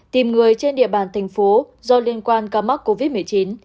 tìm người trên địa bàn thành phố do liên quan ca mắc covid một mươi chín